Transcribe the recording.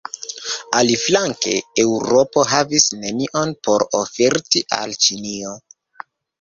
Aliflanke, Eŭropo havis nenion por oferti al Ĉinio.